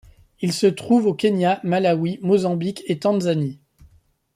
Il se trouve au Kenya, Malawi, Mozambique et Tanzanie.